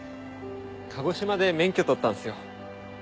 鹿児島で免許取ったんすよ。